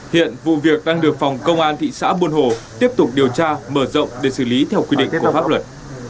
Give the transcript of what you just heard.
hiện vụ việc đang được phòng công an thị xã buôn hồ tiếp tục điều tra mở rộng để xử lý theo quy định của pháp luật